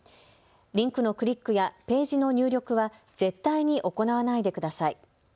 リンクのクリックやページの入力は絶対に行わないでください。